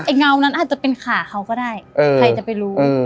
เงานั้นอาจจะเป็นขาเขาก็ได้ใครจะไปรู้